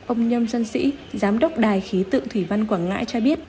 ông nhâm xuân sĩ giám đốc đài khí tự thủy văn quảng ngãi cho biết